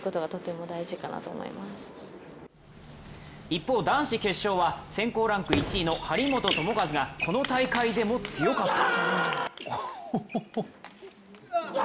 一方、男子決勝は選考ランク１位の張本智和が、この大会でも強かった。